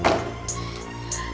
jadi apa sih kamu